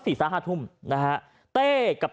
ก็ได้พลังเท่าไหร่ครับ